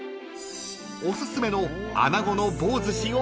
［おすすめの］